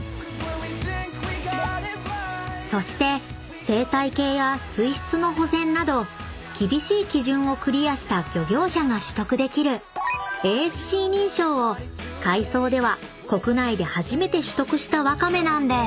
［そして生態系や水質の保全など厳しい基準をクリアした漁業者が取得できるＡＳＣ認証を海藻では国内で初めて取得したわかめなんです］